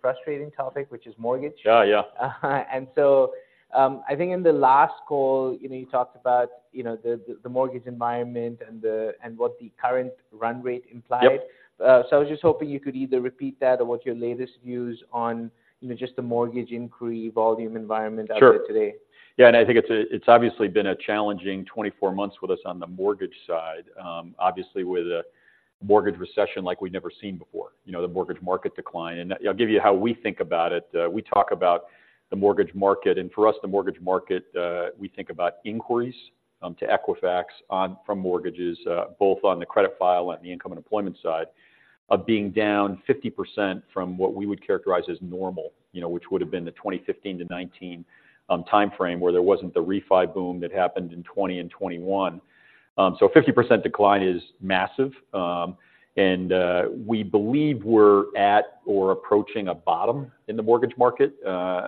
Frustrating topic, which is mortgage. Yeah, yeah. And so, I think in the last call, you know, you talked about, you know, the mortgage environment and what the current run rate implied. Yep. So I was just hoping you could either repeat that or what's your latest views on, you know, just the mortgage inquiry volume environment? Sure Out there today? Yeah, and I think it's obviously been a challenging 24 months with us on the mortgage side. Obviously, with a mortgage recession like we'd never seen before, you know, the mortgage market decline. And I'll give you how we think about it. We talk about the mortgage market, and for us, the mortgage market, we think about inquiries to Equifax from mortgages, both on the credit file and the income and employment side, of being down 50% from what we would characterize as normal, you know, which would have been the 2015-2019 timeframe, where there wasn't the refi boom that happened in 2020 and 2021. So a 50% decline is massive, and we believe we're at or approaching a bottom in the mortgage market. As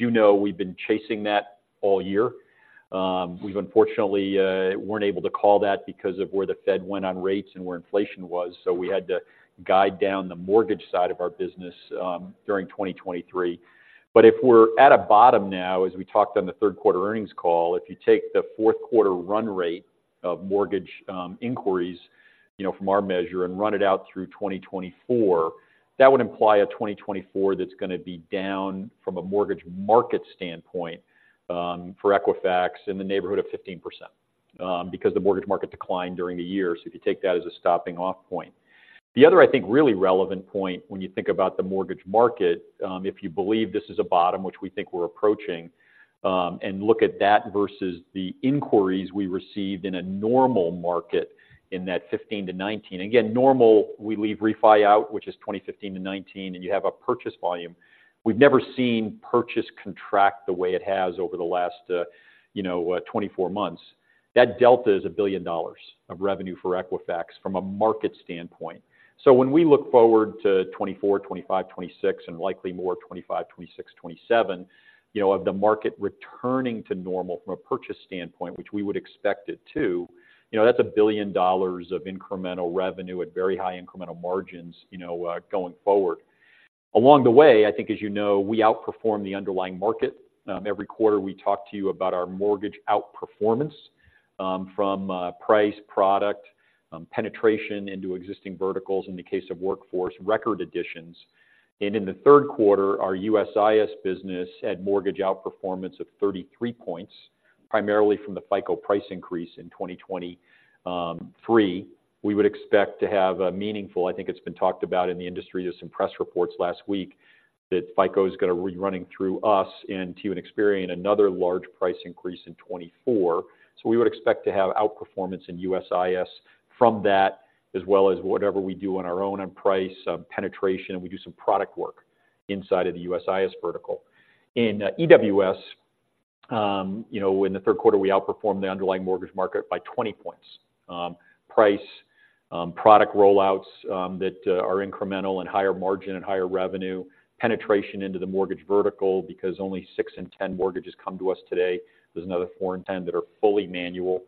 you know, we've been chasing that all year. We've unfortunately weren't able to call that because of where the Fed went on rates and where inflation was, so we had to guide down the mortgage side of our business during 2023. But if we're at a bottom now, as we talked on the third quarter earnings call, if you take the fourth quarter run rate of mortgage inquiries, you know, from our measure and run it out through 2024, that would imply a 2024 that's gonna be down from a mortgage market standpoint for Equifax, in the neighborhood of 15%, because the mortgage market declined during the year. So if you take that as a stopping off point. The other, I think, really relevant point when you think about the mortgage market, if you believe this is a bottom, which we think we're approaching, and look at that versus the inquiries we received in a normal market in that 2015-2019. Again, normal, we leave refi out, which is 2015-2019, and you have a purchase volume. We've never seen purchase contract the way it has over the last, you know, 24 months. That delta is $1 billion of revenue for Equifax from a market standpoint. So when we look forward to 2024, 2025, 2026, and likely more, 2025, 2026, 2027, you know, of the market returning to normal from a purchase standpoint, which we would expect it to, you know, that's $1 billion of incremental revenue at very high incremental margins, you know, going forward. Along the way, I think, as you know, we outperform the underlying market. Every quarter, we talk to you about our mortgage outperformance, from price, product, penetration into existing verticals in the case of workforce, record additions. And in the third quarter, our USIS business had mortgage outperformance of 33 points, primarily from the FICO price increase in 2023. We would expect to have a meaningful... I think it's been talked about in the industry. There's some press reports last week that FICO is gonna be running through us and to Experian, another large price increase in 2024. So we would expect to have outperformance in USIS from that, as well as whatever we do on our own on price, penetration, and we do some product work inside of the USIS vertical. EWS, you know, in the third quarter, we outperformed the underlying mortgage market by 20 points. Price, product rollouts, that are incremental and higher margin and higher revenue, penetration into the mortgage vertical, because only 6 in 10 mortgages come to us today. There's another 4 in 10 that are fully manual,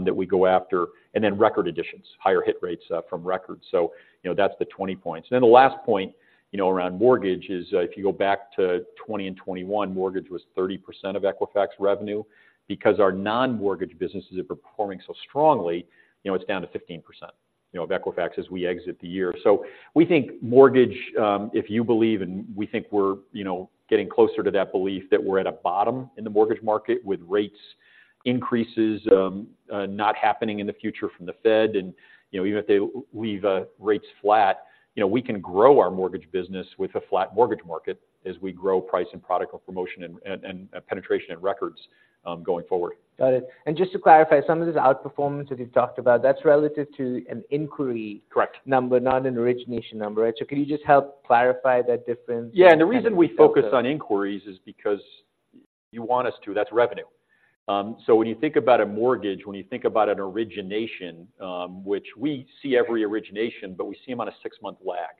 that we go after, and then record additions, higher hit rates, from records. So you know, that's the 20 points. Then the last point, you know, around mortgage is, if you go back to 2020 and 2021, mortgage was 30% of Equifax revenue. Because our non-mortgage businesses are performing so strongly, you know, it's down to 15%, you know, of Equifax as we exit the year. So we think mortgage, if you believe, and we think we're, you know, getting closer to that belief, that we're at a bottom in the mortgage market with rates increases not happening in the future from the Fed. And, you know, even if they leave rates flat, you know, we can grow our mortgage business with a flat mortgage market as we grow price and product or promotion and, and, and penetration and records going forward. Got it. Just to clarify, some of this outperformance that you've talked about, that's relative to an inquiry- Correct. -number, not an origination number. So can you just help clarify that difference? Yeah, and the reason we focus on inquiries is because you want us to. That's revenue. So when you think about a mortgage, when you think about an origination, which we see every origination, but we see them on a 6-month lag.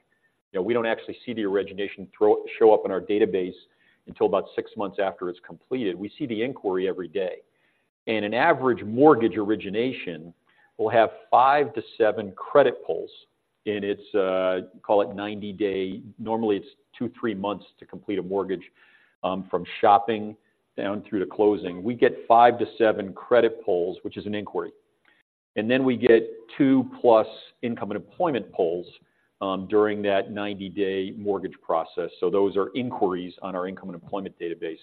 You know, we don't actually see the origination show up in our database until about 6 months after it's completed. We see the inquiry every day. And an average mortgage origination will have 5-7 credit pulls in its, call it 90-day... Normally, it's 2-3 months to complete a mortgage, from shopping down through to closing. We get 5-7 credit pulls, which is an inquiry, and then we get 2+ income and employment pulls, during that 90-day mortgage process. So those are inquiries on our income and employment database.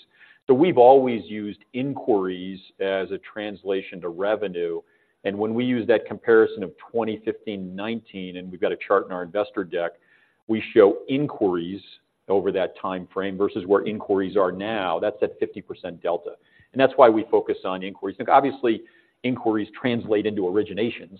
So we've always used inquiries as a translation to revenue, and when we use that comparison of 2015 to 2019, and we've got a chart in our investor deck, we show inquiries over that timeframe versus where inquiries are now. That's at 50% delta. And that's why we focus on inquiries. Because obviously, inquiries translate into originations,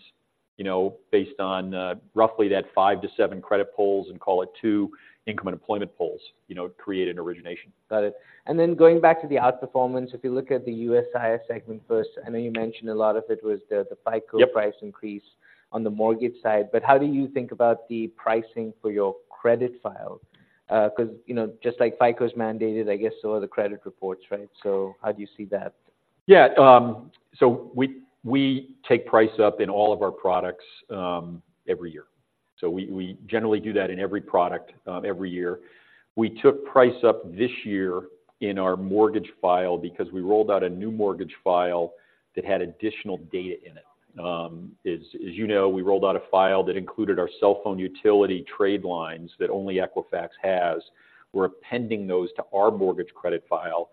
you know, based on, roughly that 5-7 credit pulls and call it 2 income and employment pulls, you know, to create an origination. Got it. And then going back to the outperformance, if you look at the USIS segment first, I know you mentioned a lot of it was the FICO- Yep. Price increase on the mortgage side, but how do you think about the pricing for your credit file? Because, you know, just like FICO is mandated, I guess so are the credit reports, right? So how do you see that?... Yeah, so we take price up in all of our products every year. So we generally do that in every product every year. We took price up this year in our mortgage file because we rolled out a new mortgage file that had additional data in it. As you know, we rolled out a file that included our cell phone utility trade lines that only Equifax has. We're appending those to our mortgage credit file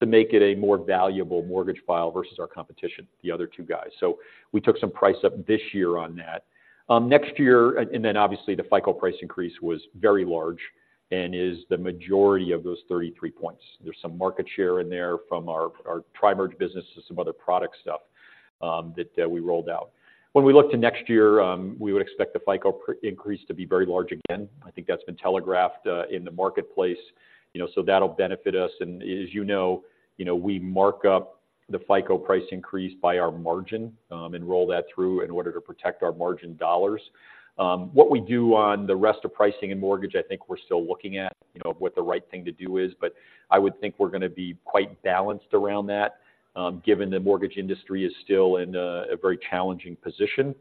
to make it a more valuable mortgage file versus our competition, the other two guys. So we took some price up this year on that. Next year, and then obviously, the FICO price increase was very large and is the majority of those 33 points. There's some market share in there from our Tri-Merge business to some other product stuff that we rolled out. When we look to next year, we would expect the FICO price increase to be very large again. I think that's been telegraphed in the marketplace, you know, so that'll benefit us. And as you know, you know, we mark up the FICO price increase by our margin and roll that through in order to protect our margin dollars. What we do on the rest of pricing and mortgage, I think we're still looking at, you know, what the right thing to do is, but I would think we're gonna be quite balanced around that, given the mortgage industry is still in a very challenging position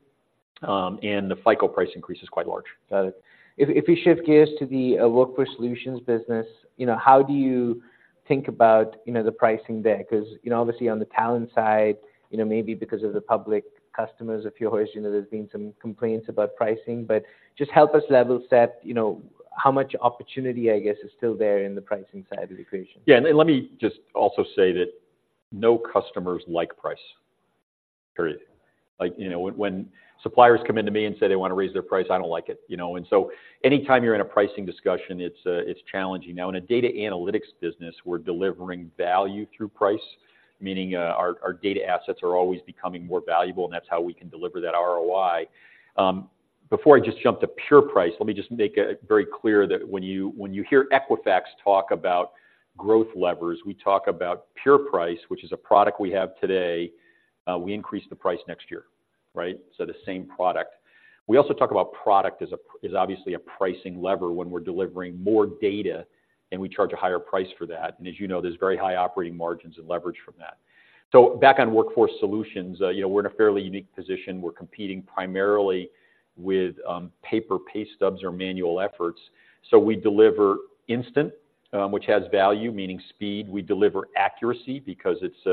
and the FICO price increase is quite large. Got it. If we shift gears to the Workforce Solutions business, you know, how do you think about, you know, the pricing there? 'Cause, you know, obviously on the talent side, you know, maybe because of the public customers of yours, you know, there's been some complaints about pricing, but just help us level set, you know, how much opportunity, I guess, is still there in the pricing side of the equation. Yeah, and let me just also say that no customers like price, period. Like, you know, when suppliers come in to me and say they wanna raise their price, I don't like it, you know. And so anytime you're in a pricing discussion, it's challenging. Now, in a data analytics business, we're delivering value through price, meaning our data assets are always becoming more valuable, and that's how we can deliver that ROI. Before I just jump to pure price, let me just make it very clear that when you hear Equifax talk about growth levers, we talk about pure price, which is a product we have today, we increase the price next year, right? So the same product. We also talk about product as a is obviously a pricing lever when we're delivering more data, and we charge a higher price for that. And as you know, there's very high operating margins and leverage from that. So back on Workforce Solutions, you know, we're in a fairly unique position. We're competing primarily with paper pay stubs or manual efforts. So we deliver instant, which has value, meaning speed. We deliver accuracy because it's,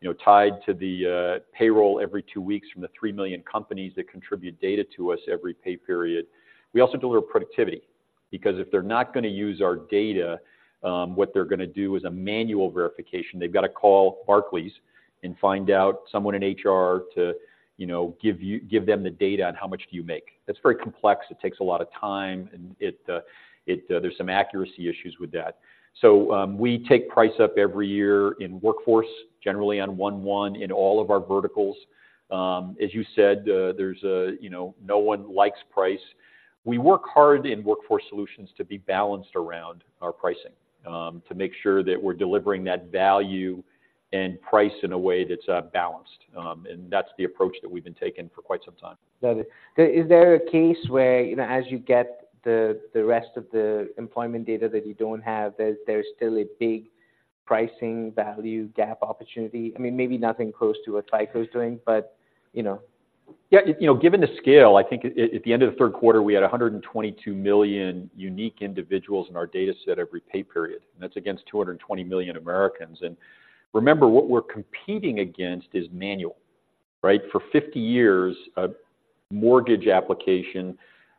you know, tied to the payroll every two weeks from the 3 million companies that contribute data to us every pay period. We also deliver productivity because if they're not gonna use our data, what they're gonna do is a manual verification. They've got to call Barclays and find out someone in HR to, you know, give them the data on how much do you make. That's very complex. It takes a lot of time, and it... it. There's some accuracy issues with that. So, we take price up every year in Workforce, generally on one, one in all of our verticals. As you said, there's a, you know, no one likes price. We work hard in Workforce Solutions to be balanced around our pricing, to make sure that we're delivering that value and price in a way that's balanced. And that's the approach that we've been taking for quite some time. Got it. Is there a case where, you know, as you get the rest of the employment data that you don't have, there's still a big pricing value gap opportunity? I mean, maybe nothing close to what FICO's doing, but, you know. Yeah, you know, given the scale, I think at the end of the third quarter, we had 122 million unique individuals in our data set every pay period, and that's against 220 million Americans. And remember, what we're competing against is manual, right? For 50 years, a mortgage application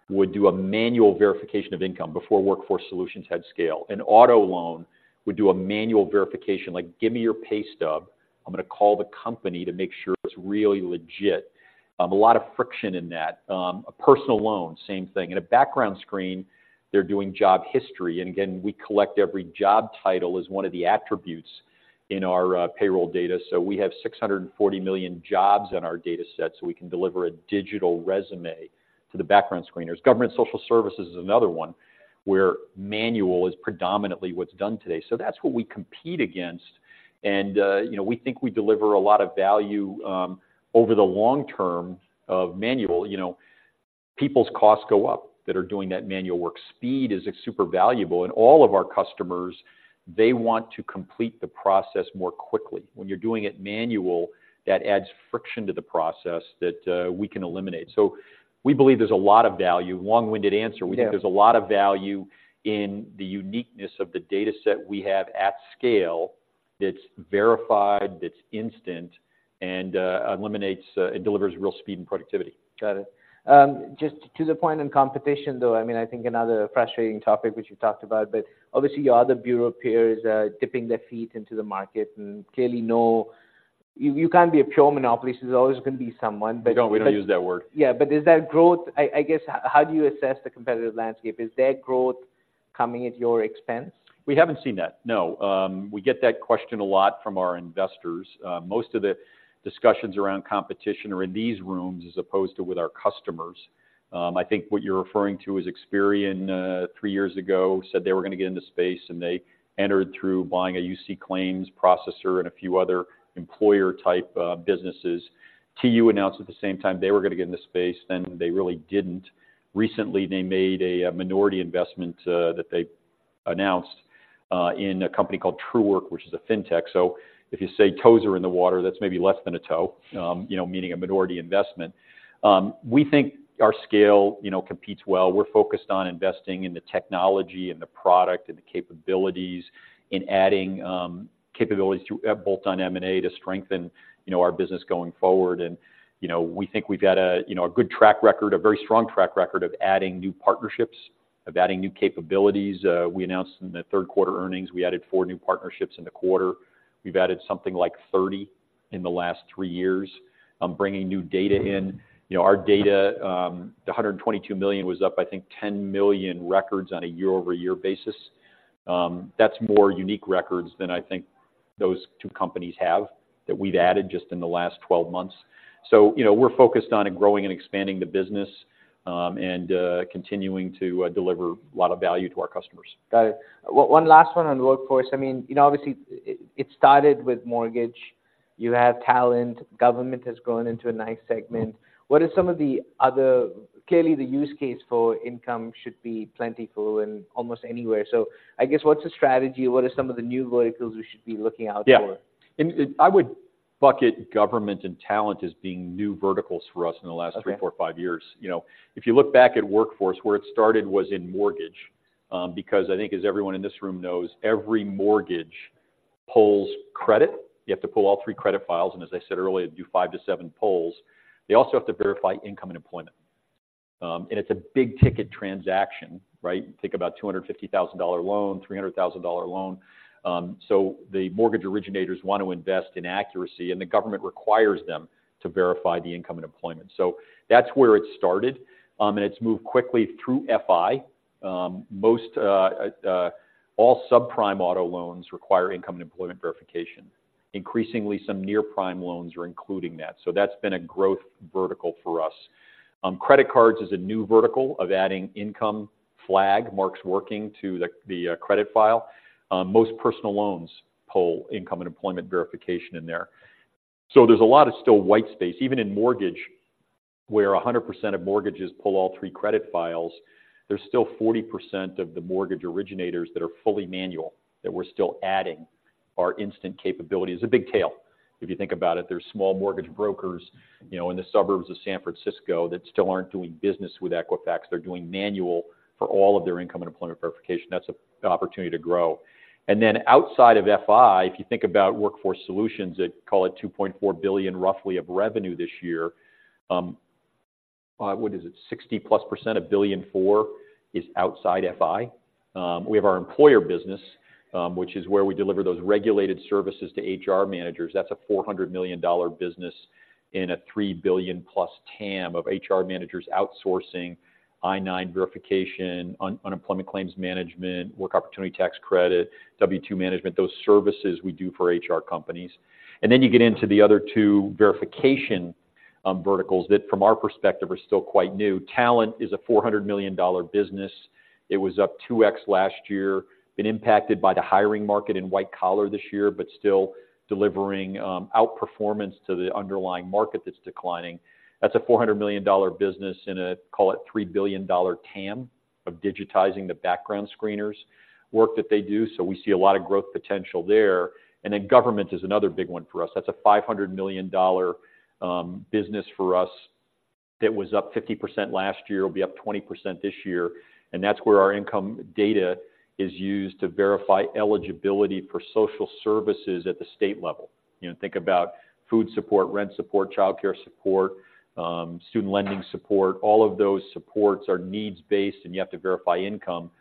would do a manual verification of income before Workforce Solutions had scale. An auto loan would do a manual verification, like, "Give me your pay stub. I'm gonna call the company to make sure it's really legit." A lot of friction in that. A personal loan, same thing. In a background screen, they're doing job history, and again, we collect every job title as one of the attributes in our payroll data. So we have 640 million jobs in our data set, so we can deliver a digital resume to the background screeners. Government social services is another one, where manual is predominantly what's done today. So that's what we compete against, and, you know, we think we deliver a lot of value over the long term of manual. You know, people's costs go up that are doing that manual work. Speed is super valuable, and all of our customers, they want to complete the process more quickly. When you're doing it manual, that adds friction to the process that we can eliminate. So we believe there's a lot of value. Long-winded answer- Yeah. We think there's a lot of value in the uniqueness of the data set we have at scale, that's verified, that's instant, and eliminates and delivers real speed and productivity. Got it. Just to the point on competition, though, I mean, I think another frustrating topic, which you talked about, but obviously your other bureau peers are dipping their feet into the market and clearly know you, you can't be a pure monopolist. There's always going to be someone, but- We don't use that word. Yeah, but is that growth... I, I guess, how do you assess the competitive landscape? Is their growth coming at your expense? We haven't seen that, no. We get that question a lot from our investors. Most of the discussions around competition are in these rooms as opposed to with our customers. I think what you're referring to is Experian, three years ago, said they were gonna get into space, and they entered through buying a UC claims processor and a few other employer-type businesses. TU announced at the same time they were gonna get in the space, then they really didn't. Recently, they made a minority investment that they announced in a company called Truework, which is a fintech. So if you say toes are in the water, that's maybe less than a toe, you know, meaning a minority investment. We think our scale, you know, competes well. We're focused on investing in the technology and the product and the capabilities, in adding capabilities through bolt-on M&A to strengthen, you know, our business going forward. And, you know, we think we've got a, you know, a good track record, a very strong track record of adding new partnerships, of adding new capabilities. We announced in the third quarter earnings, we added 4 new partnerships in the quarter. We've added something like 30 in the last three years, bringing new data in. You know, our data, the 122 million was up, I think, 10 million records on a year-over-year basis. That's more unique records than I think those two companies have, that we've added just in the last 12 months. So, you know, we're focused on growing and expanding the business, and continuing to deliver a lot of value to our customers. Got it. One last one on Workforce. I mean, you know, obviously, it, it started with mortgage. You have Talent, Government has grown into a nice segment. What are some of the other... Clearly, the use case for income should be plentiful and almost anywhere. So I guess, what's the strategy? What are some of the new verticals we should be looking out for? Yeah. And I would bucket government and talent as being new verticals for us in the last- Okay... 3, 4, 5 years. You know, if you look back at Workforce, where it started was in mortgage, because I think as everyone in this room knows, every mortgage pulls credit. You have to pull all 3 credit files, and as I said earlier, do 5-7 pulls. They also have to verify income and employment. And it's a big-ticket transaction, right? Think about $250,000 loan, $300,000 loan. So the mortgage originators want to invest in accuracy, and the government requires them to verify the income and employment. So that's where it started, and it's moved quickly through FI. All subprime auto loans require income and employment verification. Increasingly, some near-prime loans are including that, so that's been a growth vertical for us. Credit cards is a new vertical of adding income flag, marks working to the credit file. Most personal loans pull income and employment verification in there. So there's a lot of still white space. Even in mortgage, where 100% of mortgages pull all three credit files, there's still 40% of the mortgage originators that are fully manual, that we're still adding our instant capability. It's a big tail. If you think about it, there's small mortgage brokers, you know, in the suburbs of San Francisco that still aren't doing business with Equifax. They're doing manual for all of their income and employment verification. That's an opportunity to grow. And then outside of FI, if you think about Workforce Solutions, they call it $2.4 billion roughly of revenue this year. What is it? 60%+, $1.4 billion is outside FI. We have our employer business, which is where we deliver those regulated services to HR managers. That's a $400 million business in a $3 billion+ TAM of HR managers outsourcing I-9 verification, unemployment claims management, Work Opportunity Tax Credit, W-2 management, those services we do for HR companies. Then you get into the other two verification verticals that, from our perspective, are still quite new. Talent is a $400 million business. It was up 2x last year, been impacted by the hiring market in white collar this year, but still delivering outperformance to the underlying market that's declining. That's a $400 million business in a, call it, $3 billion TAM of digitizing the background screeners work that they do. We see a lot of growth potential there. Then government is another big one for us. That's a $500 million business for us that was up 50% last year, will be up 20% this year, and that's where our income data is used to verify eligibility for social services at the state level. You know, think about food support, rent support, childcare support, student lending support. All of those supports are needs-based, and you have to verify income.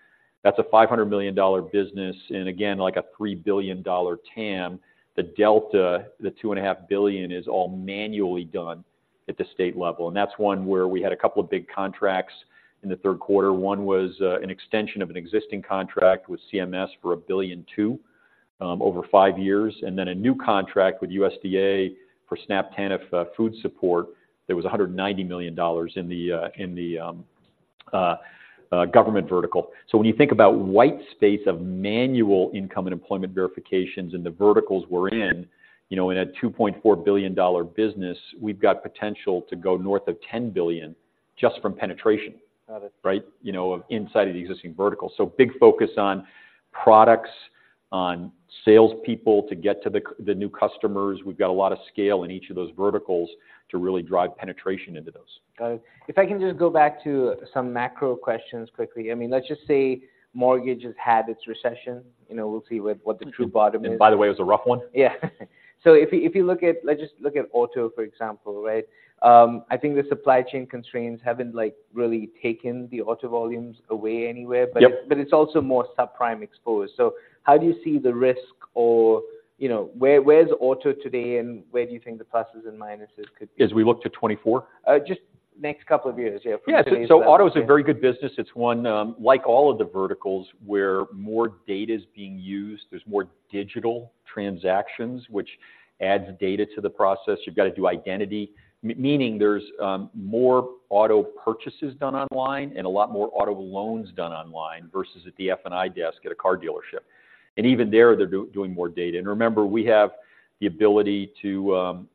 That's a $500 million business and again, like a $3 billion TAM. The delta, the $2.5 billion, is all manually done at the state level, and that's one where we had a couple of big contracts in the third quarter. One was, an extension of an existing contract with CMS for $1.2 billion over five years, and then a new contract with USDA for SNAP TANF food support. That was $190 million in the government vertical. So when you think about white space of manual income and employment verifications in the verticals we're in, you know, in a $2.4 billion business, we've got potential to go north of $10 billion just from penetration. Got it. Right? You know, inside of the existing vertical. So big focus on products, on salespeople to get to the new customers. We've got a lot of scale in each of those verticals to really drive penetration into those. Got it. If I can just go back to some macro questions quickly. I mean, let's just say mortgage has had its recession. You know, we'll see what, what the true bottom is. By the way, it was a rough one. Yeah. So if you look at... Let's just look at auto, for example, right? I think the supply chain constraints haven't, like, really taken the auto volumes away anywhere- Yep... but it's also more subprime exposed. So how do you see the risk or, you know, where, where's auto today, and where do you think the pluses and minuses could be? As we look to 2024? Just next couple of years, yeah, from today- Yeah. So auto is a very good business. It's one, like all of the verticals, where more data is being used, there's more digital transactions, which adds data to the process. You've got to do identity, meaning there's more auto purchases done online and a lot more auto loans done online versus at the F&I desk at a car dealership. And even there, they're doing more data. And remember, we have the ability to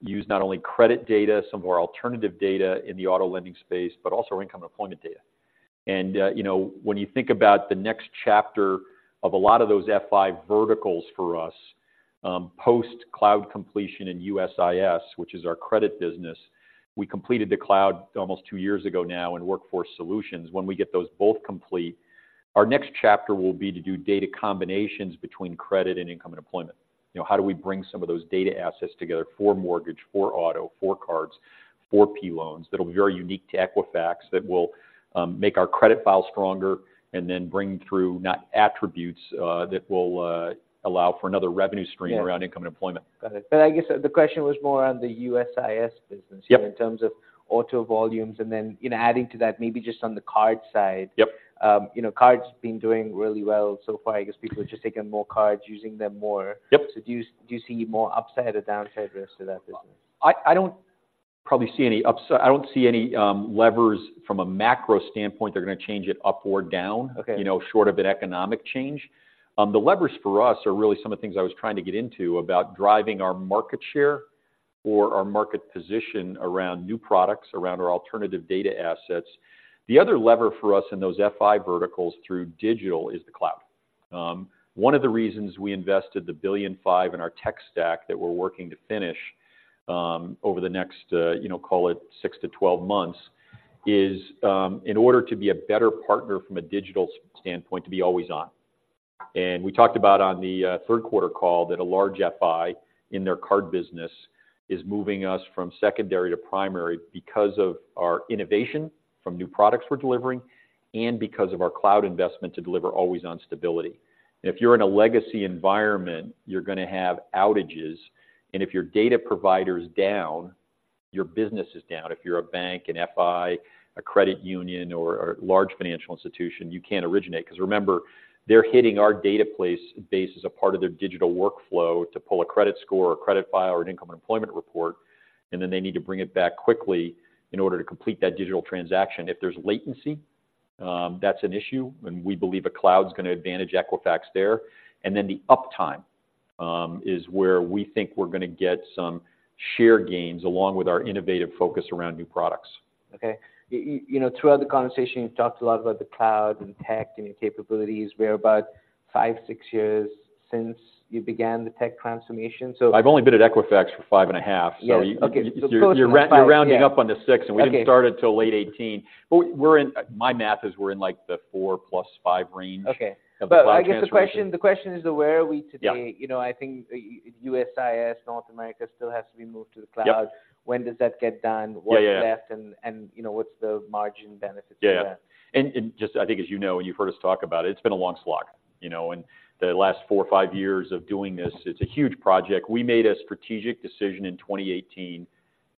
use not only credit data, some more alternative data in the auto lending space, but also our income and employment data. And you know, when you think about the next chapter of a lot of those FI verticals for us, post-cloud completion in USIS, which is our credit business, we completed the cloud almost two years ago now in Workforce Solutions. When we get those both complete, our next chapter will be to do data combinations between credit and income and employment. You know, how do we bring some of those data assets together for mortgage, for auto, for cards, for P loans that will be very unique to Equifax, that will, make our credit file stronger and then bring through not attributes, that will, allow for another revenue stream- Yes. around income and employment. Got it. But I guess the question was more on the USIS business- Yep. In terms of auto volumes and then, you know, adding to that, maybe just on the card side. Yep. You know, card's been doing really well so far. I guess people are just taking more cards, using them more. Yep. Do you see more upside or downside risk to that business? I don't probably see any upside, I don't see any levers from a macro standpoint that are going to change it up or down- Okay. you know, short of an economic change. The levers for us are really some of the things I was trying to get into about driving our market share or our market position around new products, around our alternative data assets. The other lever for us in those FI verticals through digital is the cloud. One of the reasons we invested $1.5 billion in our tech stack that we're working to finish over the next, you know, call it 6-12 months, is in order to be a better partner from a digital standpoint, to be always on. And we talked about on the third quarter call that a large FI in their card business is moving us from secondary to primary because of our innovation from new products we're delivering and because of our cloud investment to deliver always-on stability. And if you're in a legacy environment, you're gonna have outages, and if your data provider is down, your business is down. If you're a bank, an FI, a credit union, or a large financial institution, you can't originate. Because remember, they're hitting our database as a part of their digital workflow to pull a credit score or credit file or an income employment report, and then they need to bring it back quickly in order to complete that digital transaction. If there's latency, that's an issue, and we believe a cloud's gonna advantage Equifax there. And then the uptime is where we think we're gonna get some share gains, along with our innovative focus around new products. Okay. You know, throughout the conversation, you've talked a lot about the cloud and tech and your capabilities. We're about 5, 6 years since you began the tech transformation, so- I've only been at Equifax for 5.5. Yes. So you- Okay. So close to five- You're rounding up on the six- Okay. and we didn't start it till late 2018. But we're in... My math is we're in, like, the 4 plus 5 range- Okay of the cloud transformation. I guess the question, the question is, where are we today? Yeah. You know, I think USIS, North America still has to be moved to the cloud. Yep. When does that get done? Yeah, yeah. What's left and, you know, what's the margin benefit to that? Yeah. And just I think, as you know, and you've heard us talk about it, it's been a long slog, you know, and the last four or five years of doing this, it's a huge project. We made a strategic decision in 2018,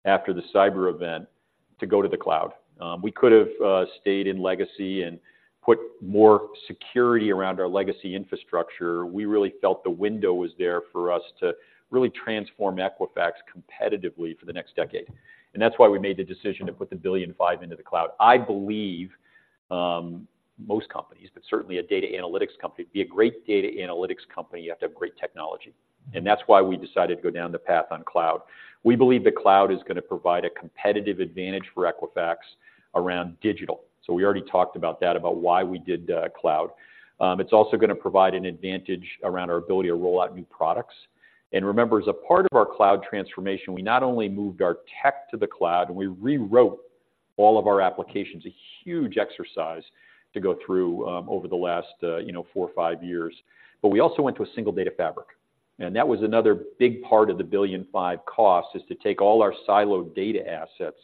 after the cyber event, to go to the cloud. We could have stayed in legacy and put more security around our legacy infrastructure. We really felt the window was there for us to really transform Equifax competitively for the next decade. And that's why we made the decision to put $1.5 billion into the cloud. I believe, most companies, but certainly a data analytics company, to be a great data analytics company, you have to have great technology, and that's why we decided to go down the path on cloud. We believe the cloud is gonna provide a competitive advantage for Equifax around digital, so we already talked about that, about why we did the cloud. It's also gonna provide an advantage around our ability to roll out new products. And remember, as a part of our cloud transformation, we not only moved our tech to the cloud, and we rewrote all of our applications, a huge exercise to go through, over the last, you know, four or five years, but we also went to a Single Data Fabric. That was another big part of the $1.5 billion cost, is to take all our siloed data assets,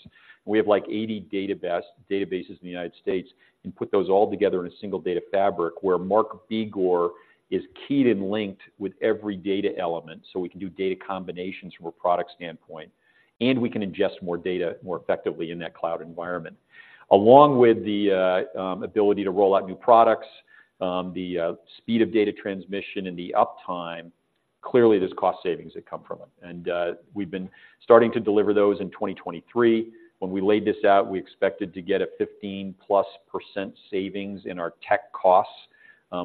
we have like 80 databases in the United States, and put those all together in a Single Data Fabric, where Mark Begor is keyed and linked with every data element, so we can do data combinations from a product standpoint, and we can ingest more data more effectively in that cloud environment. Along with the ability to roll out new products, the speed of data transmission and the uptime, clearly, there's cost savings that come from it. We've been starting to deliver those in 2023. When we laid this out, we expected to get a 15%+ savings in our tech costs,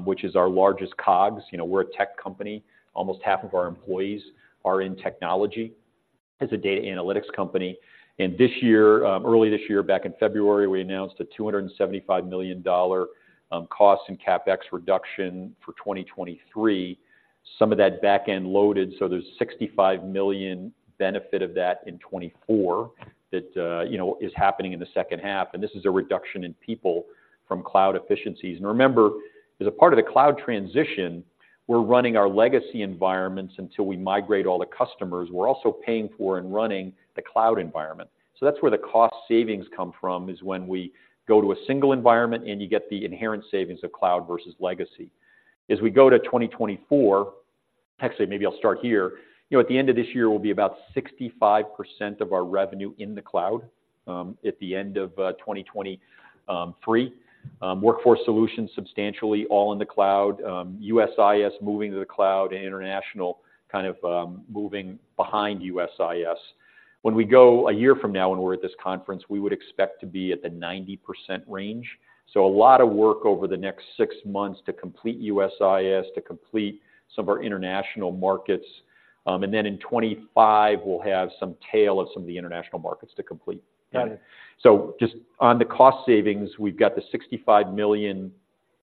which is our largest COGS. You know, we're a tech company. Almost half of our employees are in technology as a data analytics company. This year, early this year, back in February, we announced a $275 million cost in CapEx reduction for 2023. Some of that back-end loaded, so there's $65 million benefit of that in 2024 that, you know, is happening in the second half, and this is a reduction in people from cloud efficiencies. Remember, as a part of the cloud transition, we're running our legacy environments until we migrate all the customers. We're also paying for and running the cloud environment. That's where the cost savings come from, is when we go to a single environment, and you get the inherent savings of cloud versus legacy. As we go to 2024... Actually, maybe I'll start here. You know, at the end of this year, we'll be about 65% of our revenue in the cloud, at the end of 2023. Workforce Solutions substantially all in the cloud, USIS moving to the cloud, and international kind of moving behind USIS.... When we go a year from now, when we're at this conference, we would expect to be at the 90% range. So a lot of work over the next six months to complete USIS, to complete some of our international markets. And then in 2025, we'll have some tail of some of the international markets to complete. Got it. So just on the cost savings, we've got the $65 million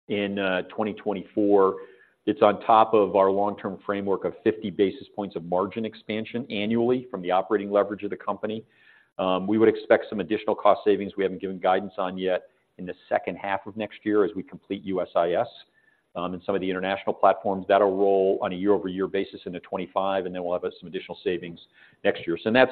in 2024. It's on top of our long-term framework of 50 basis points of margin expansion annually from the operating leverage of the company. We would expect some additional cost savings we haven't given guidance on yet in the second half of next year as we complete USIS and some of the international platforms that'll roll on a year-over-year basis into 2025, and then we'll have some additional savings next year. So that's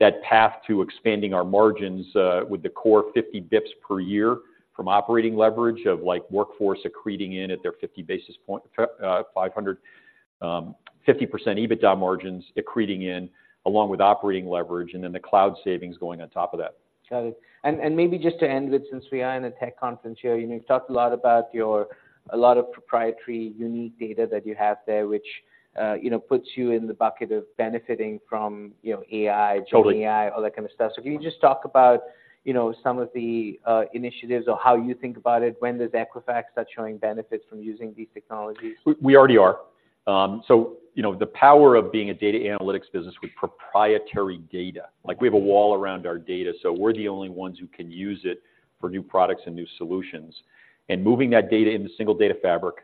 that path to expanding our margins with the core 50 basis points per year from operating leverage of, like, workforce accreting in at their 50 basis point 50% EBITDA margins accreting in along with operating leverage, and then the cloud savings going on top of that. Got it. And maybe just to end with, since we are in a tech conference here, you know, you've talked a lot about your—a lot of proprietary, unique data that you have there, which, you know, puts you in the bucket of benefiting from, you know, AI- Totally... GenAI, all that kind of stuff. So can you just talk about, you know, some of the, initiatives or how you think about it, when does Equifax start showing benefits from using these technologies? We already are. So you know, the power of being a data analytics business with proprietary data, like we have a wall around our data, so we're the only ones who can use it for new products and new solutions. And moving that data into Single Data Fabric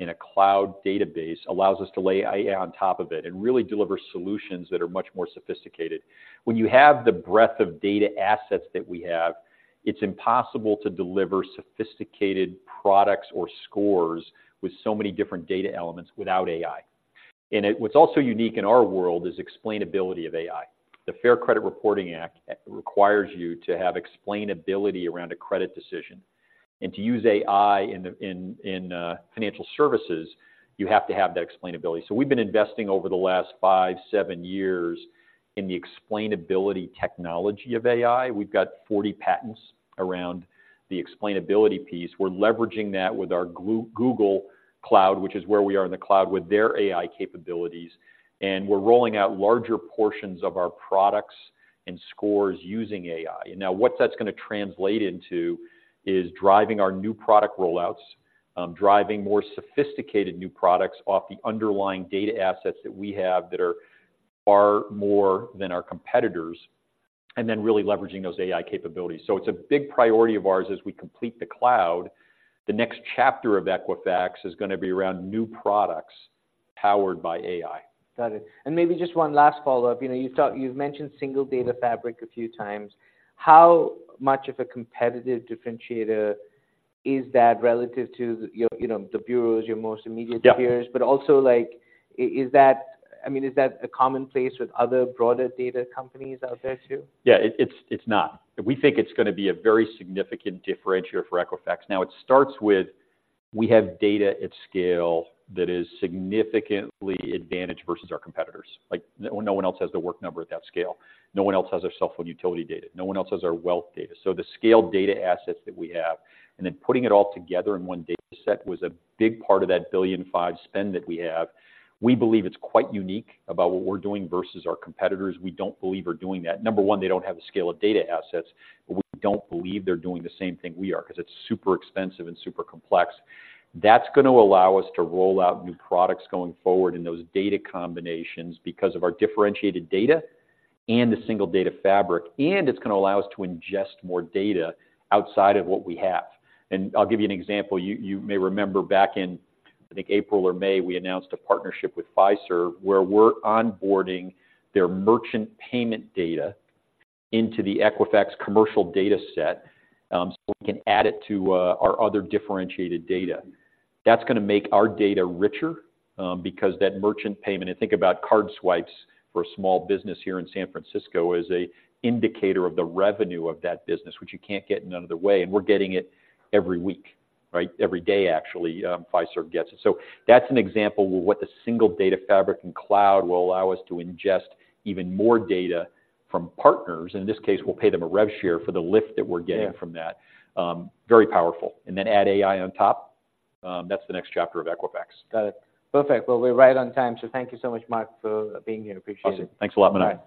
in a cloud database allows us to lay AI on top of it and really deliver solutions that are much more sophisticated. When you have the breadth of data assets that we have, it's impossible to deliver sophisticated products or scores with so many different data elements without AI. And what's also unique in our world is explainability of AI. The Fair Credit Reporting Act requires you to have explainability around a credit decision, and to use AI in financial services, you have to have that explainability. So we've been investing over the last 5-7 years in the explainability technology of AI. We've got 40 patents around the explainability piece. We're leveraging that with our Google Cloud, which is where we are in the cloud with their AI capabilities, and we're rolling out larger portions of our products and scores using AI. Now, what that's gonna translate into is driving our new product rollouts, driving more sophisticated new products off the underlying data assets that we have that are far more than our competitors', and then really leveraging those AI capabilities. So it's a big priority of ours as we complete the cloud. The next chapter of Equifax is gonna be around new products powered by AI. Got it. Maybe just one last follow-up. You know, you've mentioned Single Data Fabric a few times. How much of a competitive differentiator is that relative to your, you know, the bureaus, your most immediate- Yeah Peers? But also, like, is that... I mean, is that a commonplace with other broader data companies out there, too? Yeah, it's not. We think it's gonna be a very significant differentiator for Equifax. Now, it starts with, we have data at scale that is significantly advantaged versus our competitors. Like, no one else has The Work Number at that scale. No one else has their cell phone utility data. No one else has our wealth data. So the scale data assets that we have, and then putting it all together in one dataset was a big part of that $1.5 billion spend that we have. We believe it's quite unique about what we're doing versus our competitors. We don't believe we're doing that. Number one, they don't have the scale of data assets, but we don't believe they're doing the same thing we are because it's super expensive and super complex. That's gonna allow us to roll out new products going forward in those data combinations because of our differentiated data and the single data fabric, and it's gonna allow us to ingest more data outside of what we have. I'll give you an example. You may remember back in, I think, April or May, we announced a partnership with Fiserv, where we're onboarding their merchant payment data into the Equifax commercial data set, so we can add it to our other differentiated data. That's gonna make our data richer, because that merchant payment, and think about card swipes for a small business here in San Francisco, is a indicator of the revenue of that business, which you can't get in another way, and we're getting it every week, right? Every day, actually, Fiserv gets it. That's an example of what the Single Data Fabric and cloud will allow us to ingest even more data from partners. In this case, we'll pay them a rev share for the lift that we're getting- Yeah -from that. Very powerful. And then add AI on top, that's the next chapter of Equifax. Got it. Perfect. Well, we're right on time, so thank you so much, Mark, for being here. Appreciate it. Awesome. Thanks a lot, Manav.